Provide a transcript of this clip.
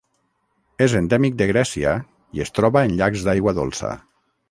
És endèmic de Grècia i es troba en llacs d'aigua dolça.